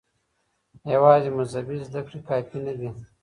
يوازې مذهبي زده کړې کافي نه دي.